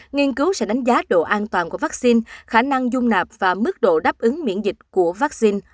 nghiên cứu sẽ đánh giá độ an toàn của vaccine khả năng dung nạp và mức độ đáp ứng miễn dịch của vaccine